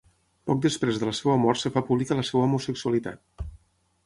Poc després de la seva mort es fa pública la seva homosexualitat.